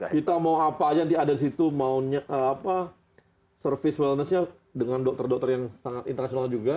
kita mau apa aja nanti ada di situ mau service wellness nya dengan dokter dokter yang sangat internasional juga